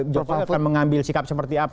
jokowi akan mengambil sikap seperti apa